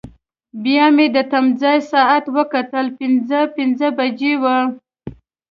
بیا مې د تمځای ساعت وکتل، پنځه پنځه بجې وې.